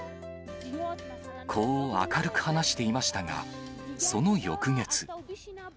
こう明るく話していましたが、その翌月。